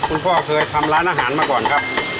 พ่อเคยทำร้านอาหารมาก่อนครับ